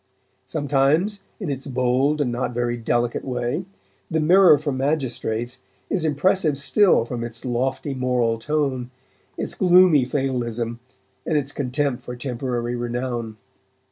Sometimes, in its bold and not very delicate way, the Mirror for Magistrates is impressive still from its lofty moral tone, its gloomy fatalism, and its contempt for temporary renown.